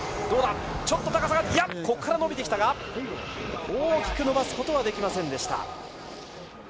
どうだ、ちょっと高さが、ここから伸びてきたか、大きく伸ばすことはできませんでした。